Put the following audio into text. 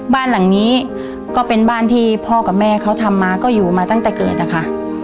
บ้านหลังนี้ก็เป็นบ้านที่พ่อกับแม่เขาทำมาก็อยู่มาตั้งแต่เกิดนะคะ